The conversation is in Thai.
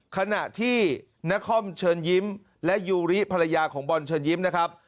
ขณะที่นครเชิญยิ้มและยูริภรรยาของบอลเชิญยิ้มนะครับ